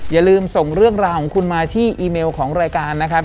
อย่าลืมส่งเรื่องราวของคุณมาที่อีเมลของรายการนะครับ